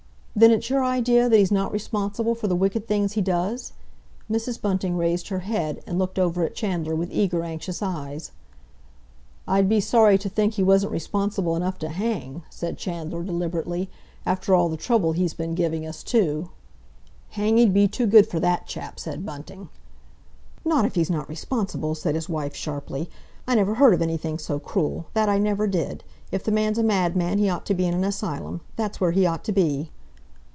"Then it's your idea that he's not responsible for the wicked things he does?" Mrs. Bunting raised her head, and looked over at Chandler with eager, anxious eyes. "I'd be sorry to think he wasn't responsible enough to hang!" said Chandler deliberately. "After all the trouble he's been giving us, too!" "Hanging'd be too good for that chap," said Bunting. "Not if he's not responsible," said his wife sharply. "I never heard of anything so cruel—that I never did! If the man's a madman, he ought to be in an asylum—that's where he ought to be."